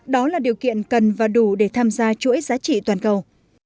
đó là điều kiện cần và đủ để tham gia chuỗi giá trị toàn cầu